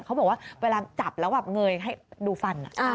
เขาบอกว่าเวลาจับแล้วแบบเงยให้ดูฟัน